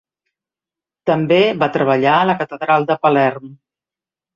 També va treballar a la catedral de Palerm.